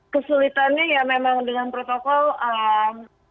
kesulitannya ya memang dengan protokol